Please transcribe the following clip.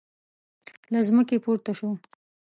له ځمکې پورته شو.